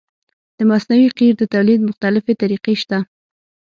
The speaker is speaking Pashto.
د مصنوعي قیر د تولید مختلفې طریقې شته